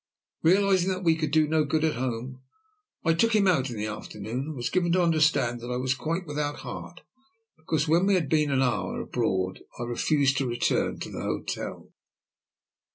Realizing that we could do no good at home, I took him out in the afternoon, and was given to understand that I was quite without heart, because, when we had been an hour abroad, I refused to return to the hotel.